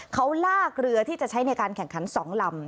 เขาลากเรือที่จะใช้ในการแข่งขัน๒ลำ